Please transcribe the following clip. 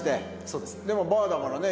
そうですね。